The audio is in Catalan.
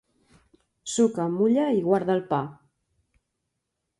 Suca, mulla i guarda el pa.